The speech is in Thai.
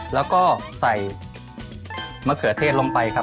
แล้วก็ใส่มะเขือเทศลงไปครับ